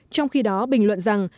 trong khi đó bình luận rằng